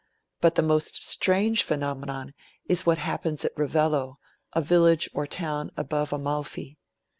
But the most strange phenomenon is what happens at Ravello, a village or town above Amalfi.